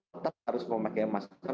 tetap harus memakai masker